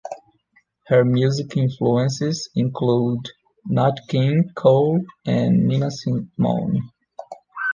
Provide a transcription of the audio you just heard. Her music influences include Nat King Cole and Nina Simone.